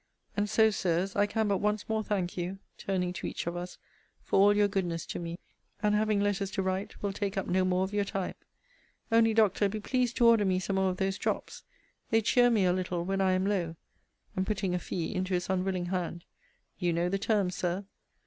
And so, Sirs, I can but once more thank you [turning to each of us] for all your goodness to me; and, having letters to write, will take up no more of your time Only, Doctor, be pleased to order me some more of those drops: they cheer me a little, when I am low; and putting a fee into his unwilling hand You know the terms, Sir!